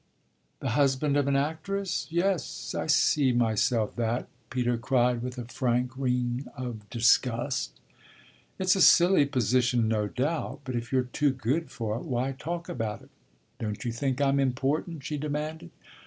"The husband of an actress? Yes, I see myself that!" Peter cried with a frank ring of disgust. "It's a silly position, no doubt. But if you're too good for it why talk about it? Don't you think I'm important?" she demanded.